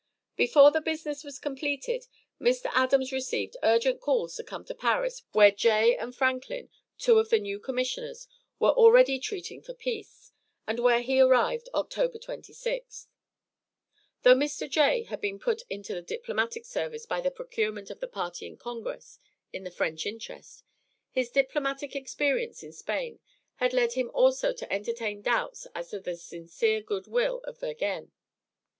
Before this business was completed, Mr. Adams received urgent calls to come to Paris where Jay and Franklin, two of the new commissioners, were already treating for peace, and where he arrived October 26th. Though Mr. Jay had been put into the diplomatic service by the procurement of the party in congress in the French interest, his diplomatic experience in Spain had led him also to entertain doubts as to the sincere good will of Vergennes.